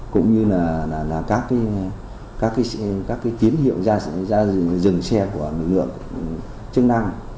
cũng như là các tín hiệu ra dừng xe của lực lượng chức năng